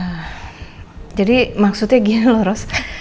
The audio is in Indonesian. eh jadi maksudnya gini loh ros